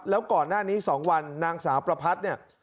แล้วก่อนหน้านี้๒วันนางสาวประพัดเนี่ย